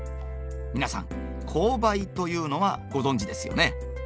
皆さん紅梅というのはご存じですよね。